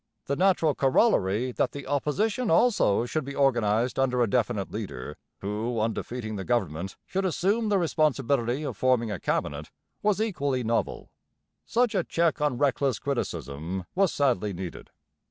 The natural corollary that the opposition also should be organized under a definite leader, who, on defeating the government, should assume the responsibility of forming a cabinet, was equally novel. Such a check on reckless criticism was sadly needed.